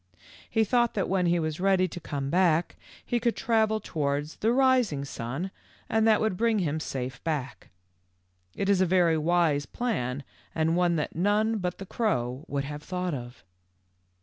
He thought that when he was ready to come back he could travel towards the rising sun and that would bring him safe back. It is a very w T ise plan and one that none but the crow would have thought of.